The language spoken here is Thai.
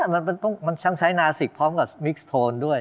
มันต้องมันช่างใช้นาสิกพร้อมกับมิคช์โทนด้วย